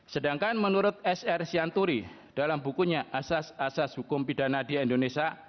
sedangkan menurut s r syanturi dalam bukunya asas asas hukum pidana di indonesia